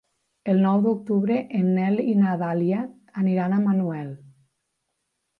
El nou d'octubre en Nel i na Dàlia aniran a Manuel.